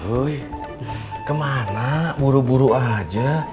wih kemana buru buru aja